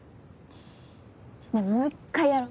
ねぇもう一回やろ。